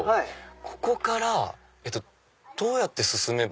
ここからどうやって進めば。